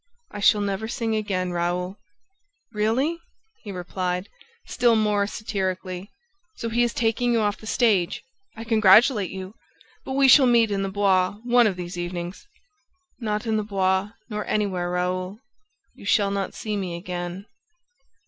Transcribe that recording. "I shall never sing again, Raoul! ..." "Really?" he replied, still more satirically. "So he is taking you off the stage: I congratulate you! ... But we shall meet in the Bois, one of these evenings!" "Not in the Bois nor anywhere, Raoul: you shall not see me again